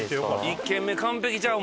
１軒目完璧ちゃう？